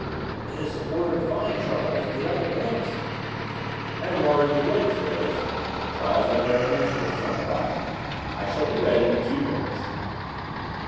"It is a quarter to five, Charles. Get up at once!" "I am awake already, Thérèse," Charles Rambert answered with some pride. "I shall be ready in two minutes."